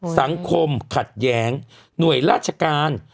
สังคมขัดแย้งหน่วยราชการ